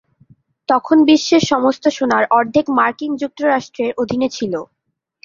তখন বিশ্বের সমস্ত সোনার অর্ধেক মার্কিন যুক্তরাষ্ট্রের অধীনে ছিল।